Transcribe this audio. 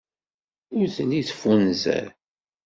Ur telli teffunzer.